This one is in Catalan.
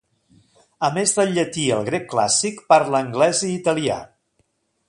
A més del llatí i el grec clàssic, parla anglès i italià.